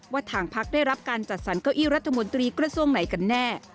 ทางพักได้รับการจัดสรรเก้าอี้รัฐมนตรีกระทรวงไหนกันแน่